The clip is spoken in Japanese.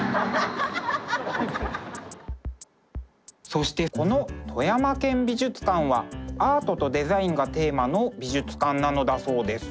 そしてこの富山県美術館はアートとデザインがテーマの美術館なのだそうです。